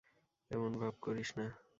এমন ভাব করিস না।